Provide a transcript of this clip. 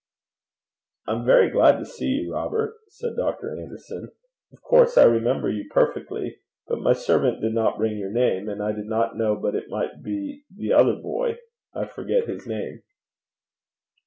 'I'm very glad to see you, Robert,' said Dr. Anderson. 'Of course I remember you perfectly; but my servant did not bring your name, and I did not know but it might be the other boy I forget his name.'